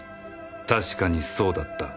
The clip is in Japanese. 確かにそうだった